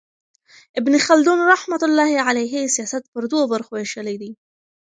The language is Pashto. ابن خلدون رحمة الله علیه سیاست پر درو برخو ویشلی دئ.